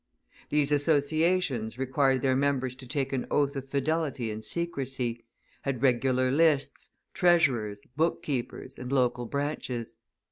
These associations required their members to take an oath of fidelity and secrecy, had regular lists, treasurers, bookkeepers, and local branches.